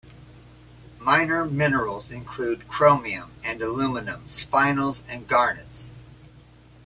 Minor minerals include chromium and aluminium spinels and garnets.